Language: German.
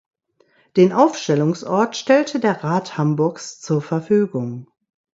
Den Aufstellungsort stellte der Rat Hamburgs zur Verfügung.